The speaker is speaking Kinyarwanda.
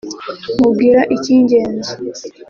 mubwira ikingenza